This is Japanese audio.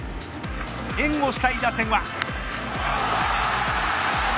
援護したい打線は。